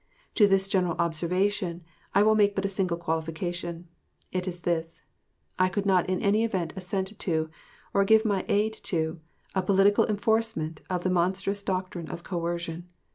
To this general observation I will make but a single qualification it is this: I could not in any event assent to, or give my aid to, a political enforcement of the monstrous doctrine of coercion.